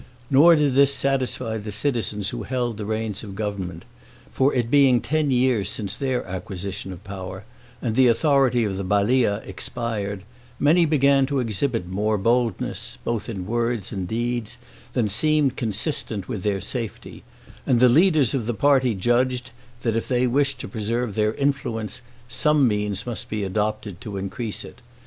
Nor did this satisfy the citizens who held the reins of government; for it being ten years since their acquisition of power, and the authority of the Balia expired, many began to exhibit more boldness, both in words and deeds, than seemed consistent with their safety; and the leaders of the party judged, that if they wished to preserve their influence, some means must be adopted to increase it.